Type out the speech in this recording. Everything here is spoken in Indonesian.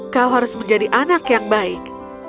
kau harus menjadi anak yang baik